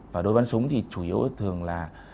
và đối văn súng thì chủ yếu thường là